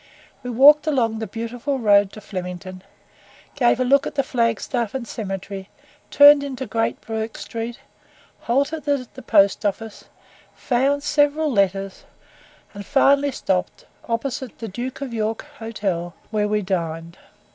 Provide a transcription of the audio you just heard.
We walked along the beautiful road to Flemington, gave a look at the flagstaff and cemetery, turned into Great Bourke Street, halted at the Post office, found several letters, and finally stopped opposite the "Duke of York Hotel," where we dined.